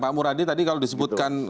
pak muradi tadi kalau disebutkan